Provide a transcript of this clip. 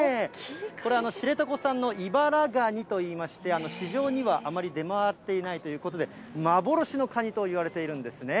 これ、知床産のイバラガニといいまして、市場にはあまり出回っていないということで、幻のカニといわれているんですね。